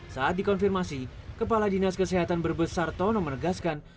saat dikonfirmasi kepala dinas kesehatan berbesar tono menegaskan